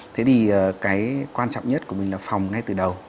thế thì cái quan trọng nhất của mình là phòng ngay từ đầu